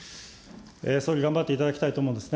総理頑張っていただきたいと思うんですね。